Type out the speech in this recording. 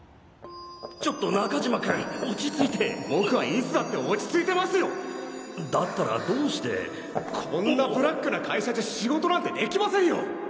ちょっと中島君落ち着いて僕はいつだって落ちだったらどうしてこんなブラックな会社じゃ仕事なんてえ？